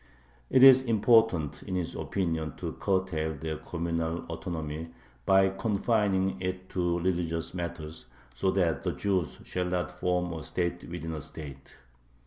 It is important in his opinion to curtail their communal autonomy by confining it to religious matters, so that the Jews shall not form a state within a state.